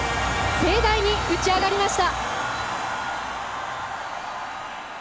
盛大に打ち上がりました。